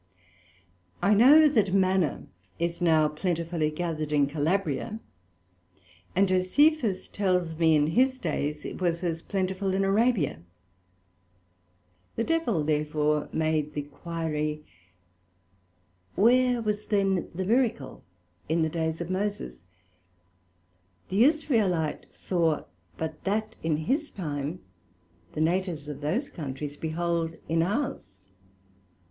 I know that Manna is now plentifully gathered in Calabria; and Josephus tells me, in his days it was as plentiful in Arabia; the Devil therefore made the quære, Where was then the miracle in the days of Moses: the Israelite saw but that in his time, the Natives of those Countries behold in ours.